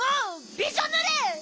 びしょぬれ！